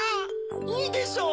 いいでしょう